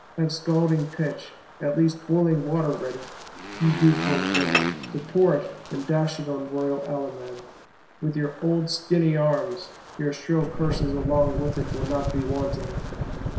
Have scalding pitch, at least boiling water ready, ye weak old women, to pour it and dash it on Royal Allemand, with your old skinny arms: your shrill curses along with it will not be wanting!